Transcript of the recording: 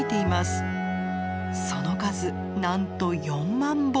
その数なんと４万本。